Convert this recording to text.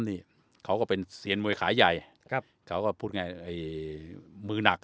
นี่เขาก็เป็นเซียนมวยขาใหญ่ครับเขาก็พูดง่ายมือหนัก